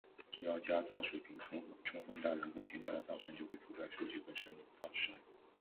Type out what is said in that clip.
只要加噪水平充分大，人工添加的噪声就会覆盖数据本身的噪声